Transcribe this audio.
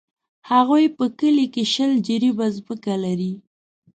هغوی په کلي کښې شل جریبه ځمکه لري.